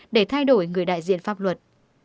để thay đổi người đại diện pháp luật